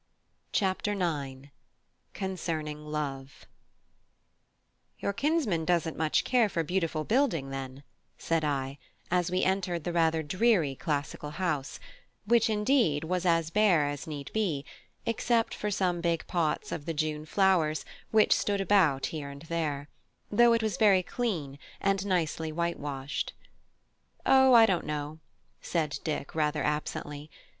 CHAPTER IX: CONCERNING LOVE "Your kinsman doesn't much care for beautiful building, then," said I, as we entered the rather dreary classical house; which indeed was as bare as need be, except for some big pots of the June flowers which stood about here and there; though it was very clean and nicely whitewashed. "O I don't know," said Dick, rather absently.